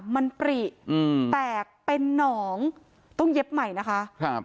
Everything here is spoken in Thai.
มันปริอืมแตกเป็นหนองต้องเย็บใหม่นะคะครับ